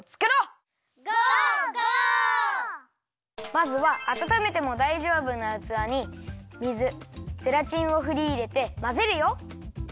まずはあたためてもだいじょうぶなうつわに水ゼラチンをふりいれてまぜるよ。